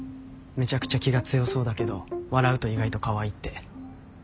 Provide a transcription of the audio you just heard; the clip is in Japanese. めちゃくちゃ気が強そうだけど笑うと意外とかわいいって。